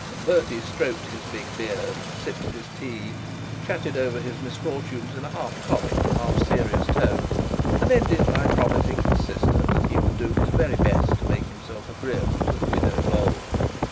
Bertie stroked his big beard, sipped his tea, chatted over his misfortunes in a half comic, half serious tone, and ended by promising his sister that he would do his very best to make himself agreeable to the widow Bold.